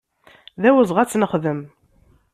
D awezɣi ad tt-nexdem.